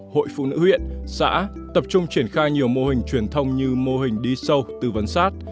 hội phụ nữ huyện xã tập trung triển khai nhiều mô hình truyền thông như mô hình đi sâu tư vấn sát